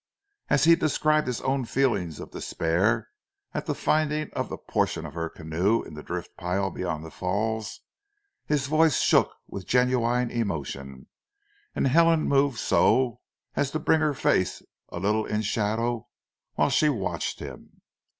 As he described his own feelings of despair at the finding of the portion of her canoe in the drift pile beyond the falls, his voice shook with quite genuine emotion, and Helen moved so as to bring her face a little in shadow whilst she watched him.